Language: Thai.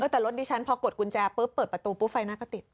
แต่รถดิฉันพอกดกุญแจปุ๊บเปิดประตูปุ๊บไฟหน้าก็ติด